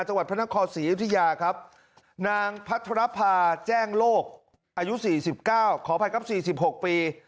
จังหวัดพระนครศรีอยุธยาครับนางพัทรภาแจ้งโลกอายุ๔๙ขออภัยครับ๔๖ปี